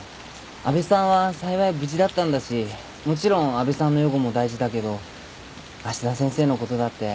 安部さんは幸い無事だったんだしもちろん安部さんの予後も大事だけど芦田先生のことだって。